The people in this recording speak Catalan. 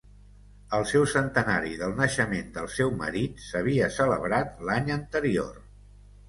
El seu centenari del naixement del seu marit s'havia celebrat l'any anterior.